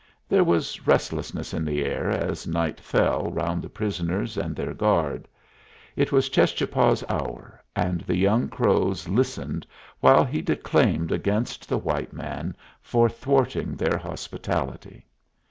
There was restlessness in the air as night fell round the prisoners and their guard. It was Cheschapah's hour, and the young Crows listened while he declaimed against the white man for thwarting their hospitality.